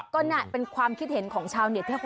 ก็นั่นเป็นความคิดเห็นของชาวเน็ต